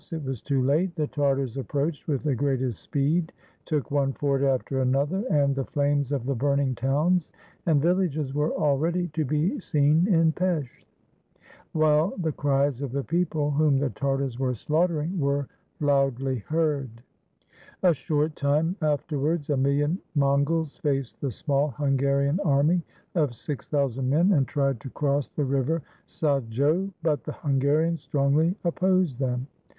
it was too late. The Tartars approached with the greatest speed, took one fort after another, and the flames of the burning towns and villages were al ready to be seen in Pesth, while the cries of the people whom the Tartars were slaughtering were loudly heard. 254 THE COMING OF THE TARTARS A short time afterwards a million Mongols faced the small Hungarian army of six thousand men, and tried to cross the river Sajo, but the Hungarians strongly opposed them.